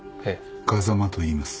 風間といいます。